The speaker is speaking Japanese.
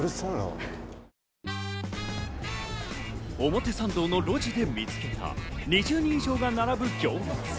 表参道の路地で見つけた２０人以上が並ぶ行列。